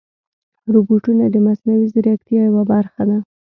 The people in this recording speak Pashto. روبوټونه د مصنوعي ځیرکتیا یوه برخه ده.